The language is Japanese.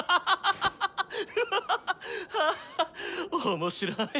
あ面白い。